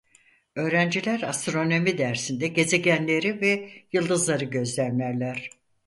Öğrenciler astronomi dersinde gezegenleri ve yıldızları gözlemlerler.